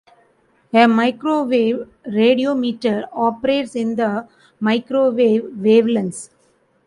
A microwave radiometer operates in the microwave wavelengths.